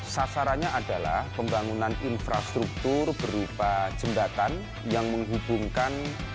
sasarannya adalah pembangunan infrastruktur berupa jembatan yang menghubungkan